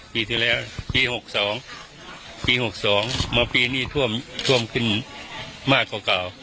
ปีที่แล้วปี๖๒ปี๖๒มาปีนี้ท่วมขึ้นมากกว่าเก่า